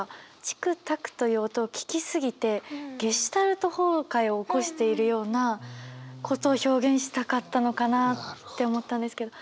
「チックタック」という音を聞き過ぎてゲシュタルト崩壊を起こしているようなことを表現したかったのかなって思ったんですけど。